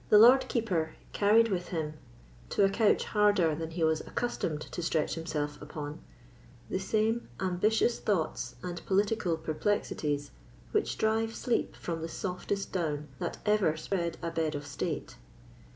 The Lord Keeper carried with him, to a couch harder than he was accustomed to stretch himself upon, the same ambitious thoughts and political perplexities which drive sleep from the softest down that ever spread a bed of state.